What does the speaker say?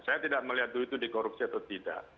saya tidak melihat dulu itu dikorupsi atau tidak